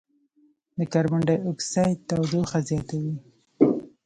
د کاربن ډای اکسایډ تودوخه زیاتوي.